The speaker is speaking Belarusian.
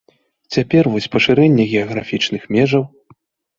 Цяпер вось пашырэнне геаграфічных межаў.